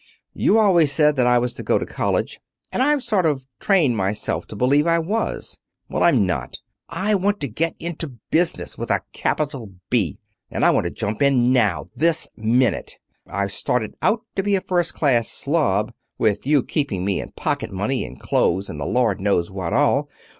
You've always said that I was to go to college, and I've sort of trained myself to believe I was. Well, I'm not. I want to get into business, with a capital B. And I want to jump in now. This minute. I've started out to be a first class slob, with you keeping me in pocket money, and clothes, and the Lord knows what all.